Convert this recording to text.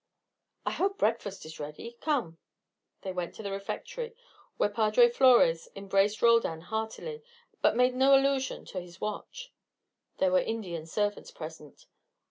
"I hope breakfast is ready. Come." They went to the refectory, where Padre Flores embraced Roldan heartily, but made no allusion to his watch; there were Indian servants present.